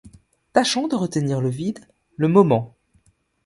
Tâchant de retenir le vide, le moment